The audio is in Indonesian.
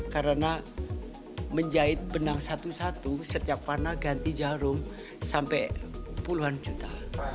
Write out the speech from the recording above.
karena menjahit benang satu satu setiap warna ganti jarum sampai puluhan juta